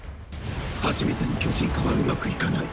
初めての巨人化は上手くいかない。